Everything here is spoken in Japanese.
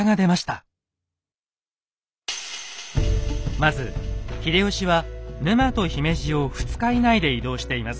まず秀吉は沼と姫路を２日以内で移動しています。